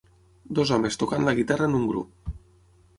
Dos homes tocant la guitarra en un grup.